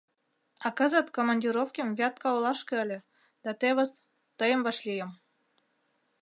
А кызыт командировкем Вятка олашке ыле да тевыс — тыйым вашлийым.